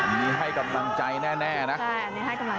ช่วงบ่ายนี่ไม่หลงมา